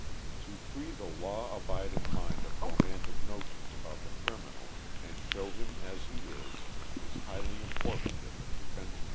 To free the law abiding mind of romantic notions about the criminal, and show him as he is, is highly important in the prevention of crime.